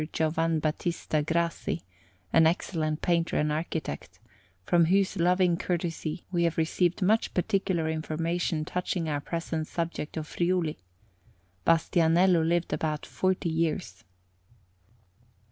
Giovan Battista Grassi, an excellent painter and architect, from whose loving courtesy we have received much particular information touching our present subject of Friuli. Bastianello lived about forty years.